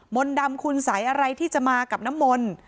มนต์ดำคุณสัยอะไรที่จะมากับน้ำมนต์